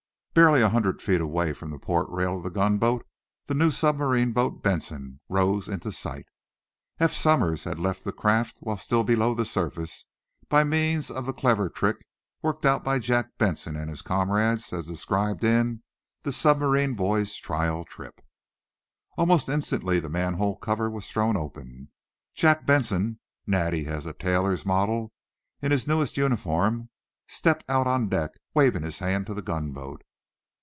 Barely a hundred feet away from the port rail of the gunboat the new submarine boat, "Benson," rose into sight. Eph Somers had left the craft, while still below surface, by means of the clever trick worked out by Jack Benson and his comrades, as described in "The Submarine Boys' Trial Trip." Almost instantly the manhole cover was thrown open. Jack Benson, natty as a tailor's model, in his newest uniform, stepped out on deck, waving his hand to the gunboat.